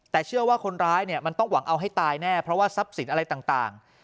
แต่เชื่อว่าคนร้ายเนี่ยมันต้องหวังเอาให้ตายแน่เพราะว่าทรัพย์สินอะไรต่าง